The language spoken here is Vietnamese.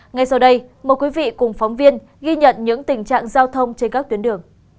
ngay sau đây mời quý vị cùng phóng viên ghi nhận những tình trạng giao thông trên các tuyến đường